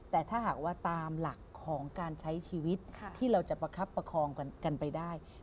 แต่ถ้าหากว่าตามหลักของการใช้ชีวิตที่เราจะประคับประคองกันไปได้